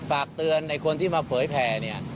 ฝากเตือนในคนที่มาเผยแผ่เนี่ย